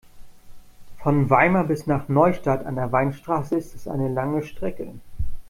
Von Weimar bis nach Neustadt an der Weinstraße ist es eine lange Strecke